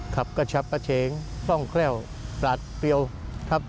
กระชับกระเฉงคล่องแคล่วปลาดเปรียวครับ